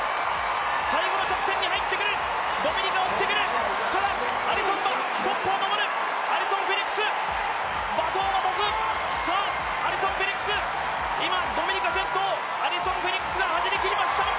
最後の直線に入ってくるドミニカ追ってくるアリソンがトップを守るアリソン・フェリックス、バトンを渡す、アリソン・フェリックスドミニカ、先頭アリソン・フェリックスが走りきりました！